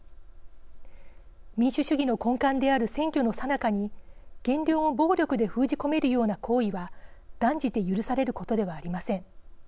民主主義の根幹である選挙のさなかに言論を暴力で封じ込めるような行為は断じて許されることではありません。